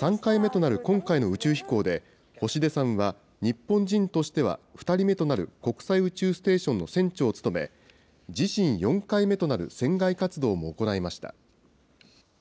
３回目となる今回の宇宙飛行で、星出さんは、日本人としては２人目となる国際宇宙ステーションの船長を務め、自身４回目となる船外活動も行いました。